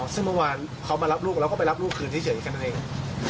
ซึ่งเมื่อวานเขามารับลูกแล้วก็ไปรับลูกคืนเฉยแค่นั้นเอง